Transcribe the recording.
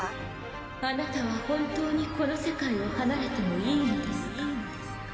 あなたは本当にこの世界を離れてもいいのですか？